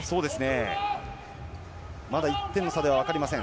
まだ１点の差ではわかりません